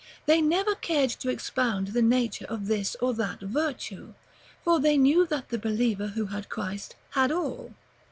They never cared to expound the nature of this or that virtue; for they knew that the believer who had Christ, had all.